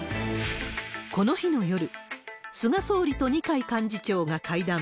この日の夜、菅総理と二階幹事長が会談。